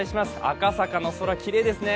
赤坂の空、きれいですね。